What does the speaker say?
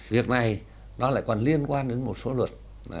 việc này nó lại còn liên quan đến một số luật